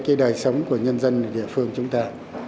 cái đời sống của nhân dân địa phương chúng ta